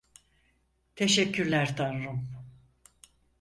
Teşekkürler Tanrım!